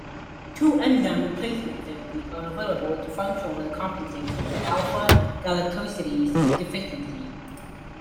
Two enzyme replacement therapies are available to functionally compensate for alpha-galactosidase deficiency.